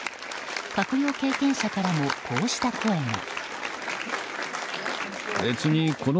閣僚経験者からもこうした声が。